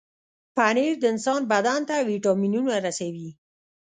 پنېر د انسان بدن ته وټامنونه رسوي.